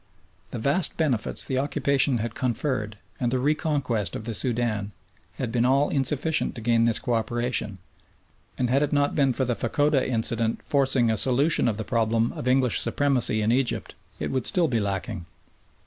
The vast benefits the occupation had conferred and the reconquest of the Soudan had been all insufficient to gain this co operation, and had it not been for the Fachoda incident forcing a solution of the problem of English supremacy in Egypt it would still be lacking.